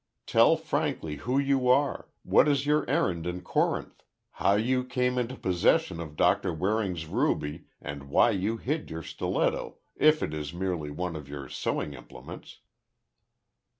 Tell frankly who you are, what is your errand in Corinth, how you came into possession of Doctor Waring's ruby, and why you hid your stiletto, if it is merely one of your sewing implements."